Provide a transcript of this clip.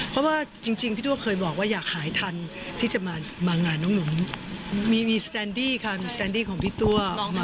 เพราะว่าจริงพี่ตัวเคยบอกว่าอยากหายทันที่จะมางานน้องหนุนมีสแตนดี้ค่ะมีสแตนดี้ของพี่ตัว